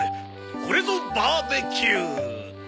これぞバーベキュー。